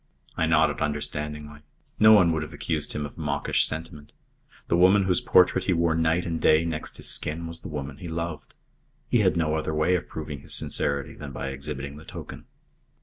I nodded understandingly. No one would have accused him of mawkish sentiment. The woman whose portrait he wore night and day next his skin was the woman he loved. He had no other way of proving his sincerity than by exhibiting the token.